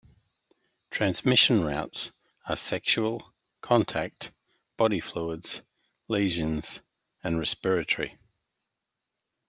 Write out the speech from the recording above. Transmission routes are sexual, contact, body fluids, lesions, and respiratory.